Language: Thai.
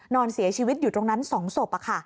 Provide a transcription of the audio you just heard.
นอนเสียชีวิตอยู่ตรงนั้น๒ศพ